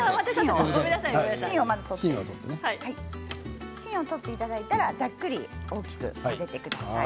芯をまず取っていただいてざっくり大きく混ぜてください。